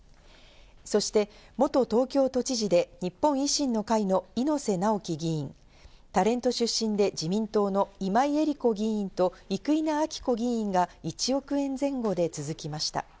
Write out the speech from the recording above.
そして元東京都知事で日本維新の会の猪瀬直樹議員、タレント出身で自民党の今井絵理子議員と生稲晃子議員が１億円前後で続きました。